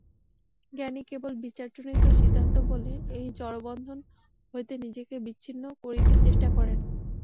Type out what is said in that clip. জ্ঞানী কেবল বিচারজনিত সিদ্ধান্তবলে এই জড়বন্ধন হইতে নিজেকে বিচ্ছিন্ন করিতে চেষ্টা করেন।